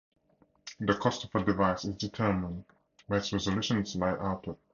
The cost of a device is determined by its resolution and its light output.